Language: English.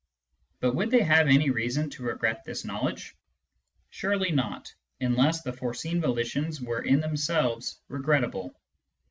But would they have any reason to regret this knowledge ? Surely not, unless the foreseen volitions were in themselves regrettable.